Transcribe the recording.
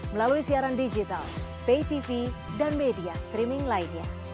melalui siaran digital pay tv dan media streaming lainnya